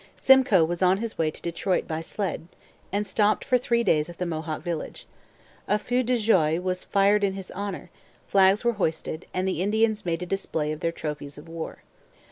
Simcoe was on his way to Detroit by sled, and stopped for three days at the Mohawk village. A feu de joie was fired in his honour, flags were hoisted, and the Indians made a display of their trophies of war.